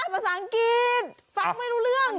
ภาษาอังกฤษฟังไม่รู้เรื่อง